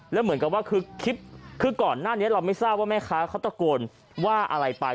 แล้วเหมือนกับว่าคือคลิปคือก่อนหน้านี้เราไม่ทราบว่าแม่ค้าเขาตะโกนว่าอะไรไป